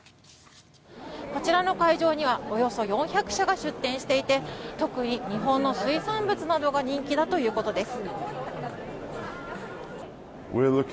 こちらの会場にはおよそ４００社が出展していて特に日本の水産物などが人気だということです。